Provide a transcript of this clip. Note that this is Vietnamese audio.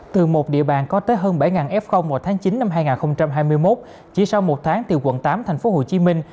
từ một địa bàn có tới hơn bảy f vào tháng chín năm hai nghìn hai mươi một chỉ sau một tháng từ quận tám thành phố hồ chí minh